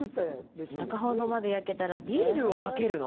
中ほどまで焼けたら、ビールをかけるの？